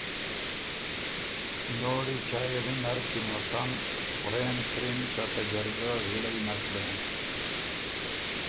چایٛ وینر قیمتاً خورېن ترِن که ته جرګۀ غِړئ نک بېن۔